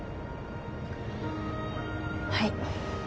はい。